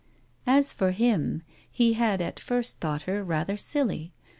As for him, he had, at first, thought her rather silly.